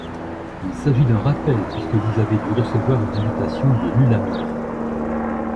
Il s’agit d’un rappel puisque vous avez dû recevoir une invitation de l’ULAMIR.